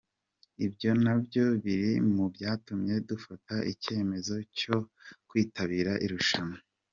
Ibyo nabyo biri mu byatumye dufata icyemezo cyo kwitabira irushanwa.